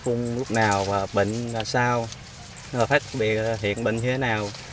phương phương lúc nào và bệnh là sao và phát biệt hiện bệnh thế nào